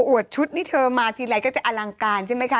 วดชุดนี่เธอมาทีไรก็จะอลังการใช่ไหมคะ